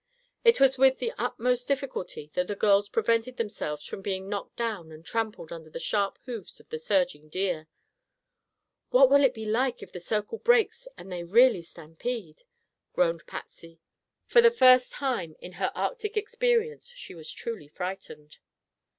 It was with the utmost difficulty that the girls prevented themselves from being knocked down and trampled under the sharp hoofs of the surging deer. "What will it be like if the circle breaks and they really stampede?" groaned Patsy. For the first time in her Arctic experience she was truly frightened.